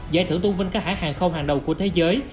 giải thưởng tôn vinh các hãng hàng không hàng đầu của thế giới